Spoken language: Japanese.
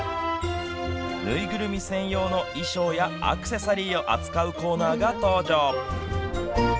縫いぐるみ専用の衣装やアクセサリーを扱うコーナーが登場。